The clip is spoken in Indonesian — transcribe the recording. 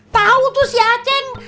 tahu tuh si acing